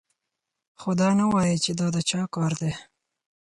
خو دا نه وايي چې دا د چا کار دی